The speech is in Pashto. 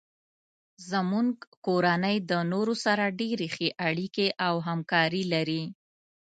زمونږ کورنۍ د نورو سره ډیرې ښې اړیکې او همکاري لري